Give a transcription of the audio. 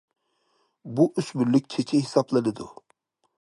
بۇ ئۆسمۈرلۈك چېچى ھېسابلىنىدۇ.